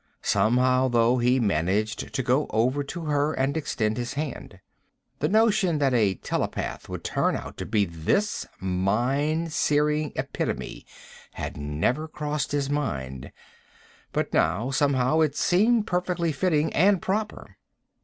Somehow, though, he managed to go over to her and extend his hand. The notion that a telepath would turn out to be this mind searing Epitome had never crossed his mind, but now, somehow, it seemed perfectly fitting and proper.